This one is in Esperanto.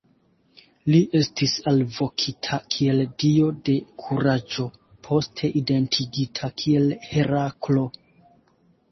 Li estis alvokita kiel dio de kuraĝo, poste identigita kiel Heraklo.